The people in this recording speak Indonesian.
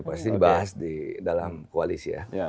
pasti dibahas di dalam koalisi ya